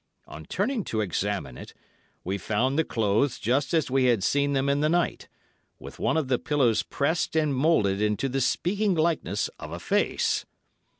On turning to examine it, we found the clothes just as we had seen them in the night, with one of the pillows pressed and moulded into the speaking likeness of a face.